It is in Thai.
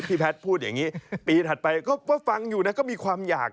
แพทย์พูดอย่างนี้ปีถัดไปก็ฟังอยู่นะก็มีความอยาก